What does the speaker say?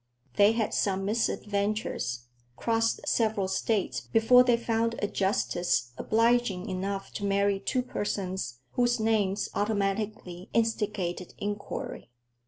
They had some misadventures, crossed several States before they found a justice obliging enough to marry two persons whose names automatically instigated inquiry.